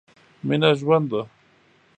مينه ژوند ده.